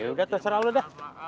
udah terserah lu dah